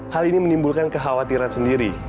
hal ini menimbulkan kekhawatiran sendiri